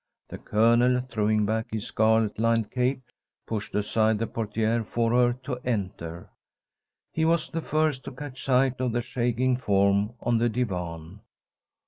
The Colonel, throwing back his scarlet lined cape, pushed aside the portière for her to enter. He was the first to catch sight of the shaking form on the divan.